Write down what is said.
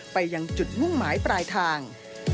ไปยังจุดมุ่งหมายปลายทาง